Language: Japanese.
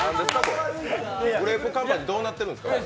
グレープカンパニーどうなってるんですか？